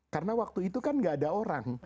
karena waktu itu kan gak ada orang